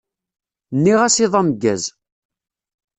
Nniɣ-as iḍ ameggaẓ.